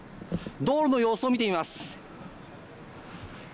道路の様子を見てみます。